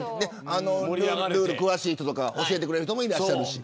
ルール詳しい人とか教えてくれる人もいるし。